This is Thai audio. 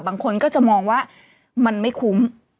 บางคนก็จะมองว่ามันไม่คุ้ม